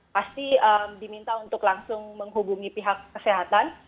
pasti diminta untuk langsung menghubungi pihak kesehatan